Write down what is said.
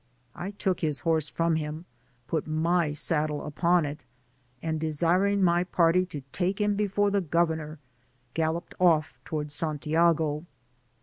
I took his horse from him, put my saddle upon it, and de siring my party to take him before the governor, I galloped off towards Santiago.